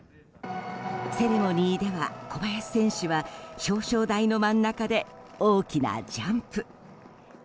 セレモニーでは、小林選手は表彰台の真ん中で大きなジャンプ。